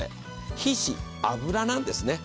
皮脂、脂なんですよね。